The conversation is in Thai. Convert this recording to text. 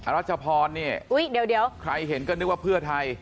อ่ะแล้วเจ้าพรนี่อุ้ยเดี๋ยวเดี๋ยวใครเห็นก็นึกว่าเพื่อไทย